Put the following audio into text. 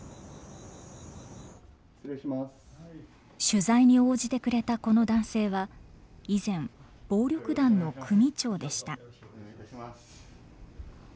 取材に応じてくれたこの男性は以前暴力団の組長でした。